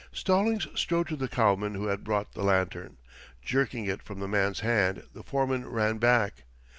Stallings strode to the cowman who had brought the lantern. Jerking it from the man's hand the foreman ran back.